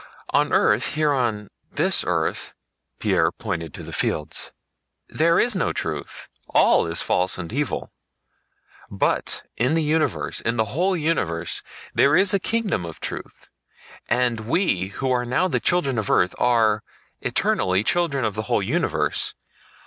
On earth, here on this earth" (Pierre pointed to the fields), "there is no truth, all is false and evil; but in the universe, in the whole universe there is a kingdom of truth, and we who are now the children of earth are—eternally—children of the whole universe.